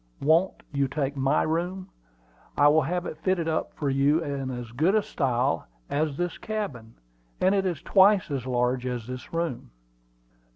Won't you take my room? I will have it fitted up for you in as good style as this cabin; and it is twice as large as this room."